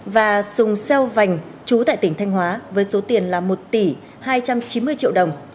và sùng xeo vành chú tại tỉnh thanh hóa với số tiền là một tỷ hai trăm chín mươi triệu đồng